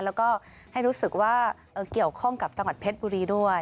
แล้วก็ให้รู้สึกว่าเกี่ยวข้องกับจังหวัดเพชรบุรีด้วย